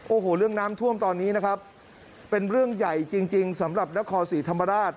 โอ้โหเรื่องน้ำท่วมตอนนี้นะครับเป็นเรื่องใหญ่จริงจริงสำหรับนครศรีธรรมราช